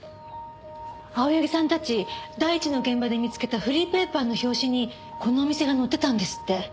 青柳さんたち第一の現場で見つけたフリーペーパーの表紙にこのお店が載ってたんですって。